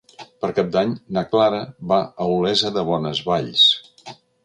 Per Cap d'Any na Clara va a Olesa de Bonesvalls.